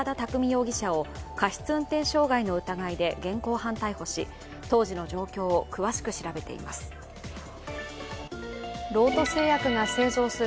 容疑者を過失運転傷害の疑いで現行犯逮捕し当時の状況を詳しく調べています。